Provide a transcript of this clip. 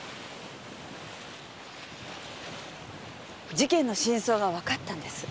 事件の真相がわかったんです。